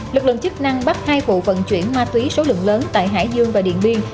lực lượng chức năng bắt hai vụ vận chuyển ma túy số lượng lớn tại hải dương và điện biên